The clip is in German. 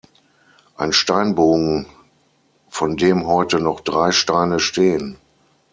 Ein Steinbogen, von dem heute noch drei Steine stehen.